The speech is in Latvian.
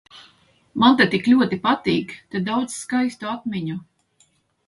Man te tik ļoti patīk. Te daudz skaistu atmiņu.